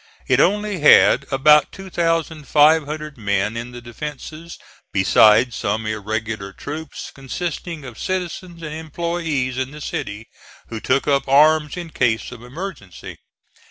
It only had about 2,500 men in the defences besides some irregular troops, consisting of citizens and employees in the city who took up arms in case of emergency.